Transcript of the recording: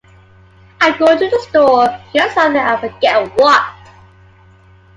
I'd go to the store to get something and forget what.